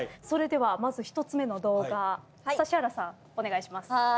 それではまず１つ目の動画指原さんお願いします。